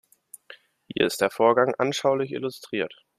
Hier ist der Vorgang anschaulich illustriert.